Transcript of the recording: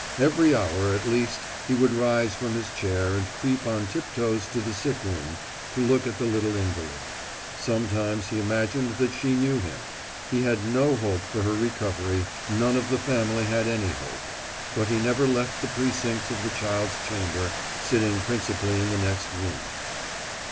Every hour, at least, he would rise from his chair and creep on tip toes to the sick room to look at the little invalid. Sometimes he imagined that she knew him; he had no hope for her recovery—none of the family had any hope; but he never left the precincts of the child's chamber, sitting principally in the next room.